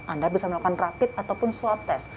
anda bisa melakukan rapid ataupun swab test